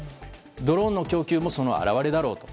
ドローンの供給もその表れだろうと。